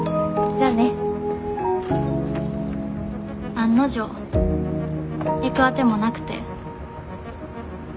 案の定行く当てもなくて。